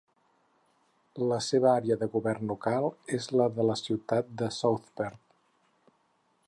La seva àrea de govern local és la de la ciutat de South Perth.